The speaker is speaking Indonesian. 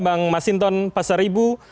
bang mas hinton pasar ibu